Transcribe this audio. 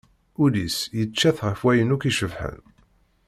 Ul-is yeččat ɣef wayen akk icebḥen.